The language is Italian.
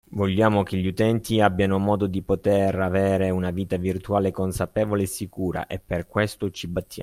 Vogliamo che gli utenti abbiano modo di poter avere una vita virtuale consapevole e sicura e per questo ci battiamo.